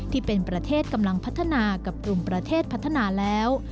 ที่เป็นประเทศกำลังพัฒนากับกลุ่มประเทศพัฒนาแล้ว